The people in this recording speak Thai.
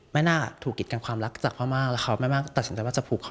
น่าถูกกิดกันความรักจากพ่อมากแล้วเขาไม่มากตัดสินใจว่าจะผูกคอ